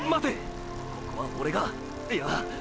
ここはオレがいや！！